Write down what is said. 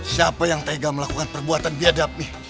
siapa yang tega melakukan perbuatan biadab nih